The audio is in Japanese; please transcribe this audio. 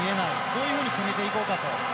どういうふうに攻めていこうかと。